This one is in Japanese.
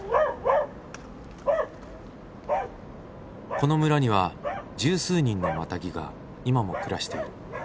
この村には十数人のマタギが今も暮らしている。